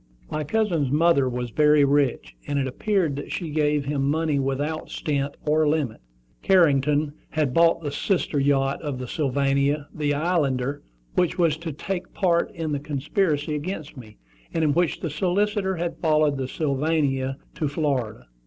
My cousin's mother was very rich, and it appeared that she gave him money without stint or limit. Carrington had bought the sister yacht of the Sylvania, the Islander, which was to take part in the conspiracy against me, and in which the solicitor had followed the Sylvania to Florida.